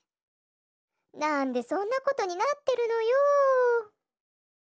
なんでそんなことになってるのよ。